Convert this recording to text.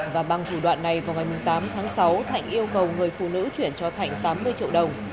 và bằng thủ đoạn này vào ngày tám tháng sáu thạnh yêu cầu người phụ nữ chuyển cho thạnh tám mươi triệu đồng